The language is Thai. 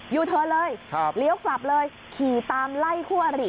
อยู่เถอะเลยเลี้ยวขลับเลยขี่ตามไล่คู่อาริ